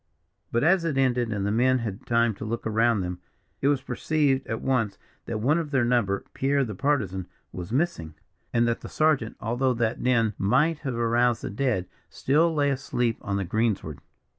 But as it ended, and the men had time to look around them, it was perceived at once that one of their number Pierre, the Partisan was missing, and that the sergeant, although that din might have aroused the dead, still lay asleep on the greensward.